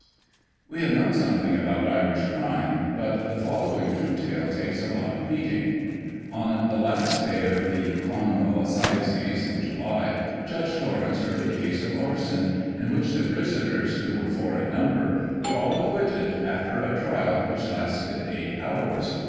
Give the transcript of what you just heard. We have known something about Irish crime, but the follow ing true tale takes a lot of beating. On the last day of the Clonmel Assizes, in July, Judge Torrens heard a case of arson, in which the prisoners, who were four in number, were all acquitted, after a trial which lasted eight hours.